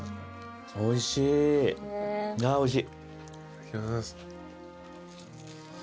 おいしいああおいしい。